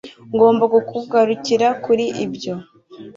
Ngomba kukugarukira kuri ibyo.